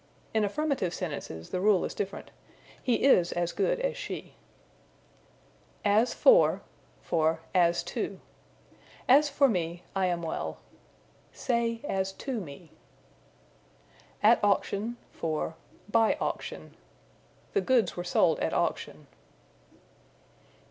In affirmative sentences the rule is different: He is as good as she. As for for As to. "As for me, I am well." Say, as to me. At Auction for by Auction. "The goods were sold at auction."